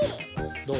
どう？